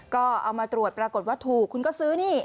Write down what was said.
ก็เอามาตรวจปรากฏว่าถูกคุณก็ซื้อนี่